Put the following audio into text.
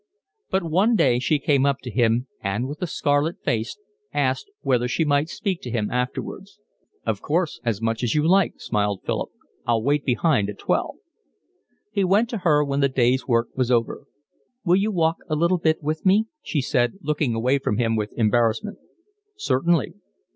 But one day she came up to him, and with a scarlet face asked whether she might speak to him afterwards. "Of course, as much as you like," smiled Philip. "I'll wait behind at twelve." He went to her when the day's work was over. "Will you walk a little bit with me?" she said, looking away from him with embarrassment. "Certainly."